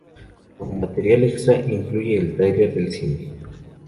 Como material extra incluye el "trailer del cine".